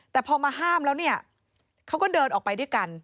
แต่พอมาห้ามแล้วเนี่ยเขาก็เดินออกไปด้วยกัน